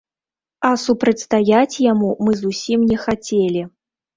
А супрацьстаяць яму мы зусім не хацелі.